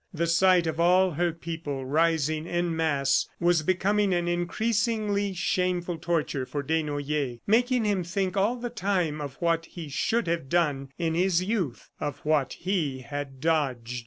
The sight of all her people rising en masse was becoming an increasingly shameful torture for Desnoyers, making him think all the time of what he should have done in his youth, of what he had dodged.